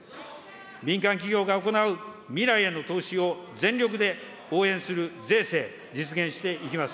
民間企業が行う未来への投資を全力で応援する税制、実現していきます。